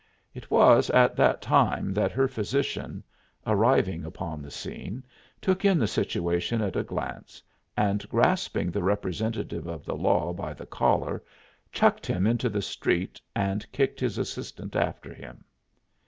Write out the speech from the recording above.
It was at that time that her physician, arriving upon the scene, took in the situation at a glance and grasping the representative of the law by the collar chucked him into the street and kicked his assistant after him.